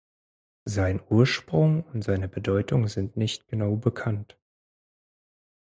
Sein Ursprung und seine Bedeutung sind nicht genau bekannt.